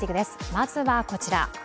まずは、こちら。